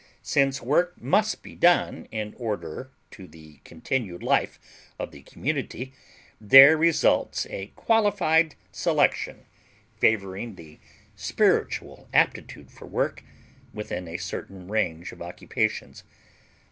Since work must be done in order to the continued life of the community, there results a qualified selection favoring the spiritual aptitude for work, within a certain range of occupations.